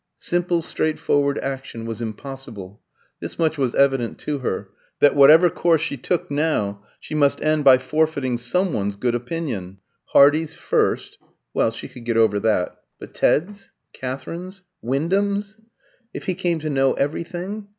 Simple straightforward action was impossible. This much was evident to her, that whatever course she took now, she must end by forfeiting some one's good opinion: Hardy's first well, she could get over that; but Ted's? Katherine's? Wyndham's? if he came to know everything?